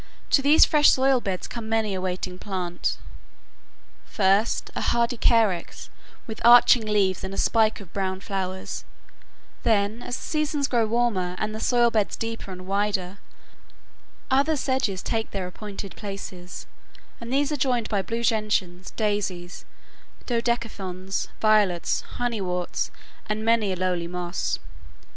To these fresh soil beds come many a waiting plant. First, a hardy carex with arching leaves and a spike of brown flowers; then, as the seasons grow warmer, and the soil beds deeper and wider, other sedges take their appointed places, and these are joined by blue gentians, daisies, dodecatheons, violets, honeyworts, and many a lowly moss.